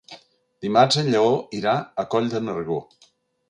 Dimarts en Lleó irà a Coll de Nargó.